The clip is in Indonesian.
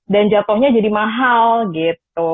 dan jatuhnya jadi mahal gitu